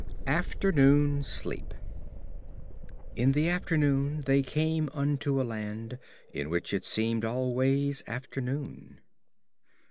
AFTERNOON SLEEP ["_In the afternoon they came unto a land In which it seemed always afternoon.